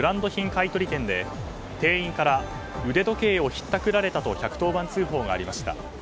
買い取り店で店員から腕時計をひったくられたと１１０番通報がありました。